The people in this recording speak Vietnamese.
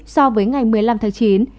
so với ngày một mươi năm tháng chín